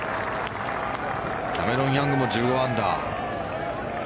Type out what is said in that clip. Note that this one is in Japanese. キャメロン・ヤングも１５アンダー。